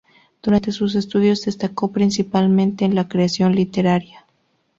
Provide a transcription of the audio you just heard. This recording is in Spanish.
Durante sus estudios destacó principalmente en la creación literaria.